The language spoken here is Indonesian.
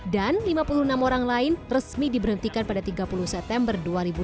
dan lima puluh enam orang lain resmi diberhentikan pada tiga puluh september dua ribu dua puluh satu